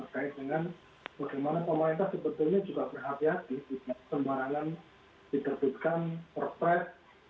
keadiran perpres enam puluh empat dua ribu delapan belas ini adalah jawaban kalau pemerintah melaksanakan putusan ma tersebut